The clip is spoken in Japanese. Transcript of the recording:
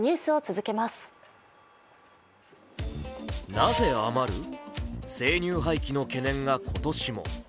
なぜ余る、生乳廃棄の懸念が今年も。